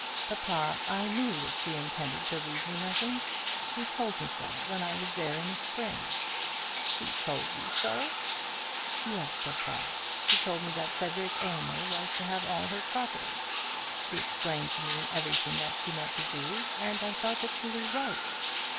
"Papa, I knew that she intended to leave me nothing. She told me so when I was there in the spring." "She told you so?" "Yes, papa. She told me that Frederic Aylmer was to have all her property. She explained to me everything that she meant to do, and I thought that she was right."